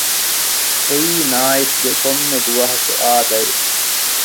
އެއީ ނާއިފްގެ ކޮންމެ ދުވަހަކު އާދައެއް